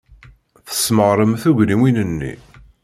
Tesmeɣrem tugniwin-nni.